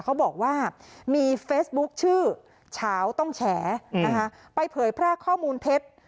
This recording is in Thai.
เขาบอกว่ามีเฟซบุ๊คชื่อเฉาต้องแฉนะคะไปเผยแพร่ข้อมูลเท็จ